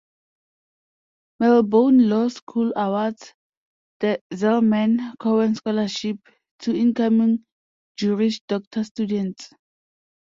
Melbourne Law School awards the "Zelman Cowen Scholarship" to incoming Juris Doctor students.